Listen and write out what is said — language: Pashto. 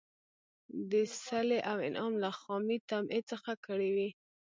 د صلې او انعام له خامي طمعي څخه کړي وي.